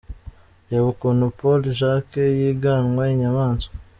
Reba ukuntu Paul Jacques yigana inyamaswa :.